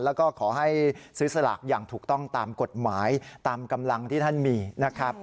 แล้วก็ขอให้ซื้อสลากอย่างถูกต้องตามกฎหมายตามกำลังที่ท่านมีนะครับ